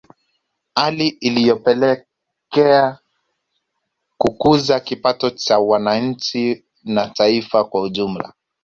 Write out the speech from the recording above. Hali inayopelekea kukuza kipato cha wananchi na taifa kwa ujumla